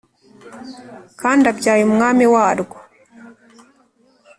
kandi abyaye umwami warwo